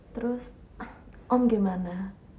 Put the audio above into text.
terus om gimana